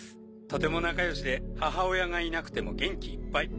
とても仲良しで母親がいなくても元気いっぱい。